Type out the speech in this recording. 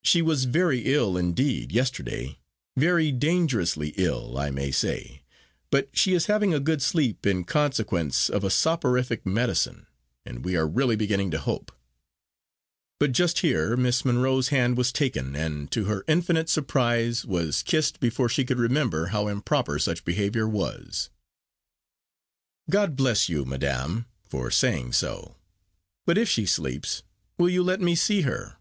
She was very ill, indeed, yesterday; very dangerously ill, I may say, but she is having a good sleep, in consequence of a soporific medicine, and we are really beginning to hope " But just here Miss Monro's hand was taken, and, to her infinite surprise, was kissed before she could remember how improper such behaviour was. "God bless you, madam, for saying so. But if she sleeps, will you let me see her?